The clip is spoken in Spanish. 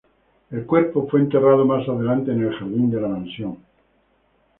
El cuerpo fue enterrado más adelante en el jardín de la mansión.